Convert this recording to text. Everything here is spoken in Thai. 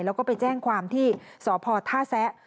แล้วก็ไปแจ้งความที่สพท่าแซะ